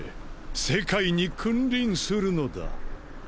世界に君臨するのだ。